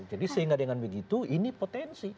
jadi sehingga dengan begitu ini potensi